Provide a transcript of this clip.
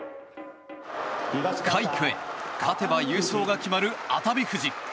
快挙へ勝てば優勝が決まる熱海富士。